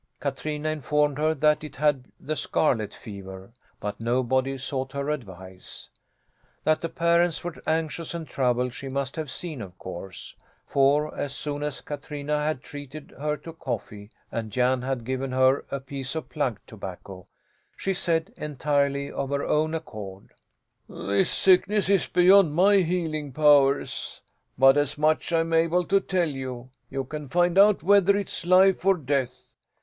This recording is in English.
Katrina informed her that it had the scarlet fever, but nobody sought her advice. That the parents were anxious and troubled she must have seen, of course, for as soon as Katrina had treated her to coffee and Jan had given her a piece of plug tobacco, she said, entirely of her own accord: "This sickness is beyond my healing powers; but as much I'm able to tell you; you can find out whether it's life or death.